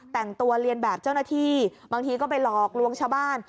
แต่งตัวเรียนแบบเจ้าหน้าที่บางทีก็ไปหลอกลวงชาวบ้าน